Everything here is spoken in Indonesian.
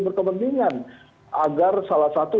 berkepentingan agar salah satu